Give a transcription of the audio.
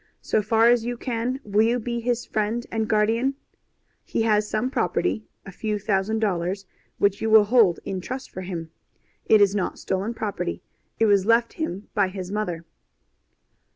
So far as you can, will you be his friend and guardian? He has some property a few thousand dollars which you will hold in trust for him. It is not stolen property. It was left him by his mother.